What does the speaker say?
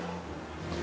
terima kasih ya dok